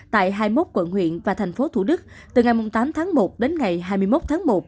tại hai mươi một quận huyện và thành phố thủ đức từ ngày tám tháng một đến ngày hai mươi một tháng một